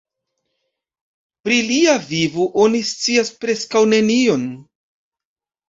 Pri lia vivo oni scias preskaŭ nenion.